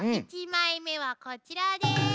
１枚目はこちらです。